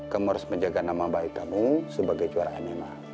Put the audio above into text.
kamu harus menjaga nama baik kamu sebagai juara nma